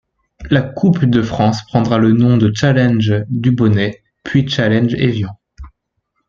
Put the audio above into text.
La coupe de France prendra le nom de Challenge Dubonnet, puis Challenge Évian.